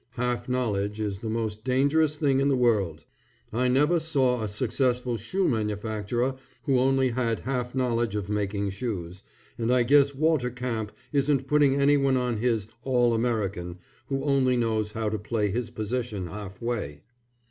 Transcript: Half knowledge, is the most dangerous thing in the world. I never saw a successful shoe manufacturer who only had half knowledge of making shoes, and I guess Walter Camp isn't putting anyone on his All American, who only knows how to play his position half way.